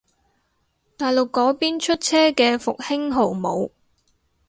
大陸嗰邊出車嘅復興號冇